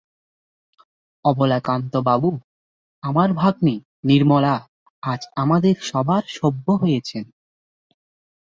অবলাকান্তবাবু, আমার ভাগ্নী নির্মলা আজ আমাদের সভার সভ্য হয়েছেন।